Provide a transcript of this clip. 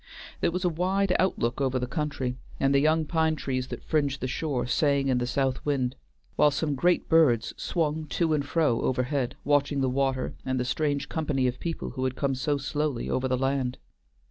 There was a wide outlook over the country, and the young pine trees that fringed the shore sang in the south wind, while some great birds swung to and fro overhead, watching the water and the strange company of people who had come so slowly over the land.